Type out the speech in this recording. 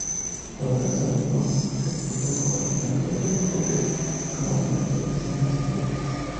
Orazio fue un activo grabador, tanto de obras propias como de maestros venecianos anteriores.